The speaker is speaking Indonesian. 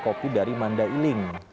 kopi dari mandailing